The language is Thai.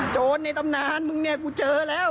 ในตำนานมึงเนี่ยกูเจอแล้ว